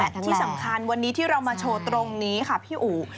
และที่สำคัญวันนี้ที่เรามาโชว์ตรงนี้ค่ะพี่อู๋